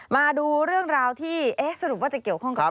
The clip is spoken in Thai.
มาดูเรื่องราวที่สรุปว่าจะเกี่ยวข้องกับใคร